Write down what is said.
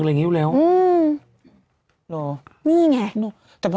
นี่แล้วเนี่ย